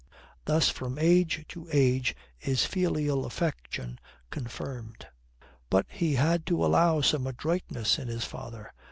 Thus from age to age is filial affection confirmed. But he had to allow some adroitness in his father.